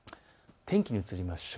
天気に移りましょう。